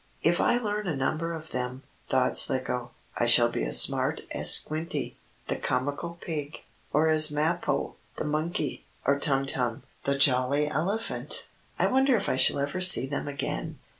"If I learn a number of them," thought Slicko, "I shall be as smart as Squinty, the comical pig, or as Mappo, the monkey, or Tum Tum, the jolly elephant. I wonder if I shall ever see them again."